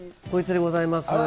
こいつでございます。